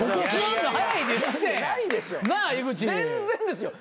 全然ですよ。